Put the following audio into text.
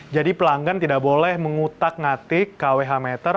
jadi pelanggan tidak boleh mengutak ngatik kwh meter